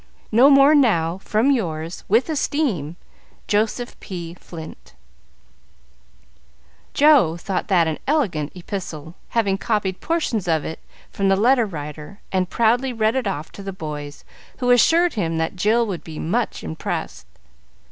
No more now, from yours, with esteem, "Joseph P. Flint" Joe thought that an elegant epistle, having copied portions of it from the "Letter Writer," and proudly read it off to the boys, who assured him that Jill would be much impressed.